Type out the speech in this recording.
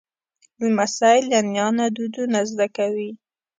لمسی له نیا نه دودونه زده کوي.